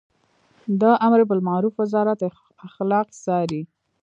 د امربالمعروف وزارت اخلاق څاري